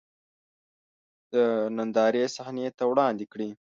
د نندارې صحنې ته وړاندې کړي.